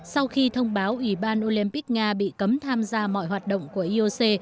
sau khi thông báo ủy ban olympic nga bị cấm tham gia mọi hoạt động của ioc